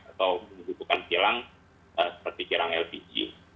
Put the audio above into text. atau membutuhkan kilang seperti kilang lpg